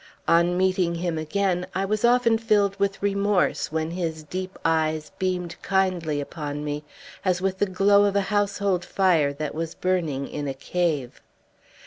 On meeting him again, I was often filled with remorse, when his deep eyes beamed kindly upon me, as with the glow of a household fire that was burning in a cave.